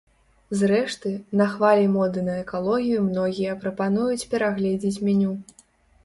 Зрэшты, на хвалі моды на экалогію многія прапануюць перагледзець меню.